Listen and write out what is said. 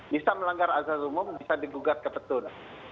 bisa melanggar azas umum bisa digugat ke petun